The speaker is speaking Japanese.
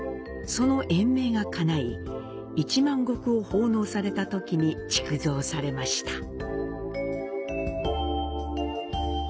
その延命が叶い、１万石を奉納されたときに築造されました。